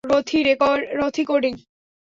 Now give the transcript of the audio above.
রথি, coding.